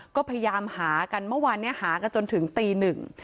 ก็พยายามหากันเมื่อวานเนี้ยหากันจนถึงตีหนึ่ง